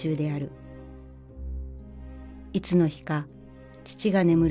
いつの日か父が眠る